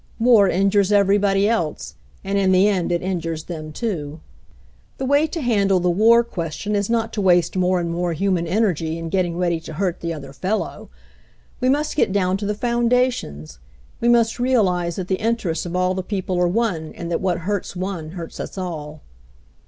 War injures everybody else, and in the end it injures them, too. "The way to handle the war question is not to waste more and more human energy in getting ready to hurt the other fellow. We must get down to the foundations; we must realize that the interests of all the people are one, and that what hurts one hurts us all.